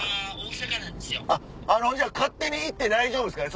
あっあのじゃあ勝手に行って大丈夫ですか？